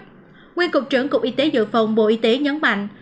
nguyên cục trưởng cục y tế dự phòng bộ y tế nhấn mạnh